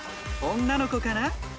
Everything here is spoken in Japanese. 女の子かな？